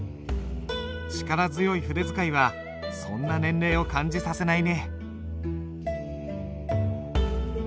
力強い筆使いはそんな年齢を感じさせないね。